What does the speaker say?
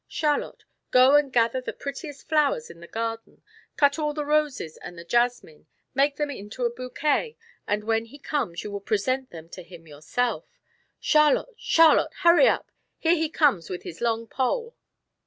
Charlotte, go and gather the prettiest flowers in the garden; cut all the roses and the jasmine, make them into a bouquet, and when he comes you will present them to him yourself. Charlotte! Charlotte! Hurry up, here he comes with his long pole."